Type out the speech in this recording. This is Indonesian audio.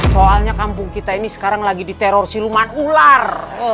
soalnya kampung kita ini sekarang lagi diteror siluman ular